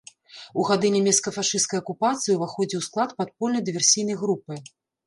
У гады нямецка-фашысцкай акупацыі ўваходзіў у склад падпольнай дыверсійнай групы.